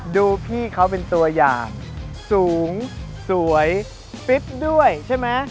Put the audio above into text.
ดูพี่เขาเป็นตัวอย่างสูงสวยฟิตด้วยใช่ไหม